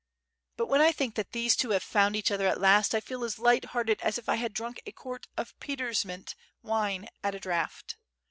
But when I think that these two have found each other at last, I feel as light hearted as if I had drunk a quart of Petertsiment wine at a draught.